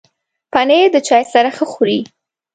پنېر د چای سره ښه خوري.